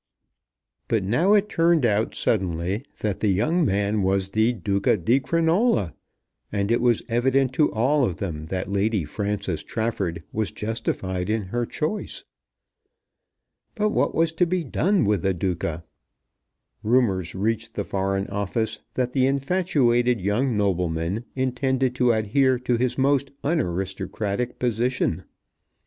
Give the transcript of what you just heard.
But now it turned out suddenly that the young man was the Duca di Crinola, and it was evident to all of them that Lady Frances Trafford was justified in her choice. But what was to be done with the Duca? Rumours reached the Foreign Office that the infatuated young nobleman intended to adhere to his most unaristocratic position.